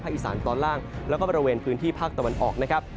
อีสานตอนล่างแล้วก็บริเวณพื้นที่ภาคตะวันออกนะครับ